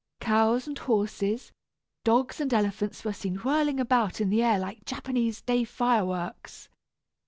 Cows and horses, dogs and elephants were seen whirling about in the air like Japanese day fireworks.